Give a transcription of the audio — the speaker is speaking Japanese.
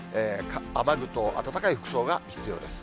雨具と暖かい服装が必要です。